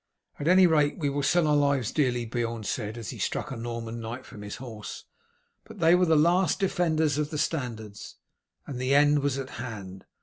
"At any rate we will sell our lives dearly," Beorn said, as he struck a Norman knight from his horse. But they were the last defenders of the standards, and the end was at hand.